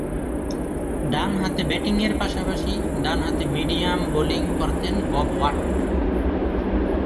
ডানহাতে ব্যাটিংয়ের পাশাপাশি ডানহাতে মিডিয়াম বোলিং করতেন বব ওয়াট।